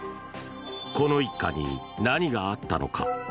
この一家に何があったのか。